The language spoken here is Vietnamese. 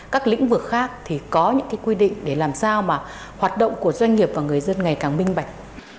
các lĩnh vực khác thì có những cái quy định để làm sao mà hoạt động của doanh nghiệp và người dân ngày càng minh bạch